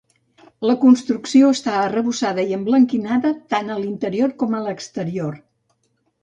La construcció està arrebossada i emblanquinada, tant a l'interior com a l'exterior.